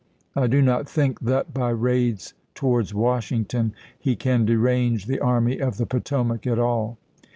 I do not think that by raids towards Washington he can derange the Army of the Potomac at all.